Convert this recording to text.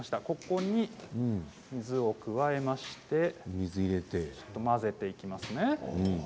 こちらに水を加えまして混ぜていきますね。